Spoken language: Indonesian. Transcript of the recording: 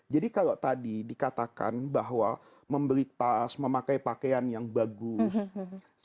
jadi kalau tadi dikatakan bahwa membeli tas memakai pakaian yang bagus